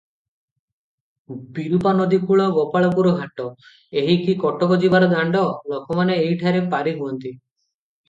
ବିରୂପା ନଦୀକୂଳ-ଗୋପାଳପୁର ଘାଟ, ଏହିଟି କଟକ ଯିବାର ଦାଣ୍ତ; ଲୋକମାନେ ଏହିଠାରେ ପାରି ହୁଅନ୍ତି ।